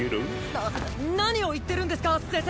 なっ何を言ってるんですか先生！